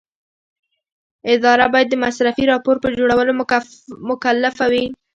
اداره باید د مصرفي راپور په جوړولو مکلفه وي.